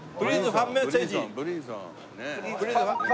ファンメッセージ？